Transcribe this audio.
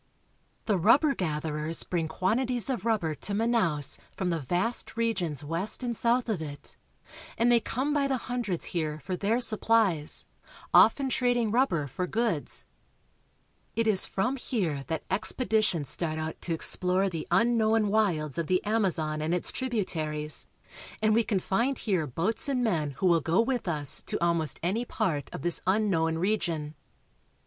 The rubber gatherers bring quantities of rubber to Manaos from the vast regions west and south of it, and they come by the hundreds here for their supplies, often Wharves, Manaos. trading rubber for goods. It is from here that expeditions start out to explore the unknown wilds of the Amazon and its tributaries, and we can find here boats and men who will go with us to almost any part of this unknown region.